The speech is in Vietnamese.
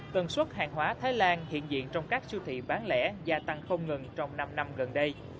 tần suất hàng hóa thái lan hiện diện trong các siêu thị bán lẻ gia tăng không ngừng trong năm năm gần đây